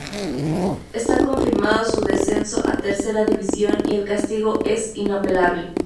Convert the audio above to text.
Está confirmado su descenso a Tercera División y el castigo es inapelable.